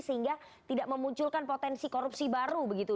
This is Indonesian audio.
sehingga tidak memunculkan potensi korupsi baru begitu